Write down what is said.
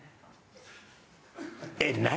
えっ何？